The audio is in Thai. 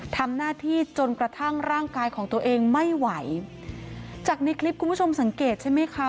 ทำหน้าที่จนกระทั่งร่างกายของตัวเองไม่ไหวจากในคลิปคุณผู้ชมสังเกตใช่ไหมคะ